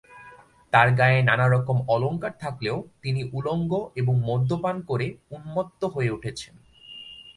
তাঁর গায়ে নানারকম অলংকার থাকলেও, তিনি উলঙ্গ এবং মদ্যপান করে উন্মত্ত হয়ে উঠেছেন।